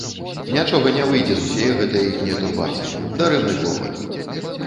Нічога не выйдзе з усяе гэтае іхняе турбацыі, дарэмны клопат!